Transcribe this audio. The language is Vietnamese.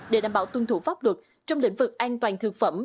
để đảm bảo tuân thủ pháp luật trong lĩnh vực an toàn thực phẩm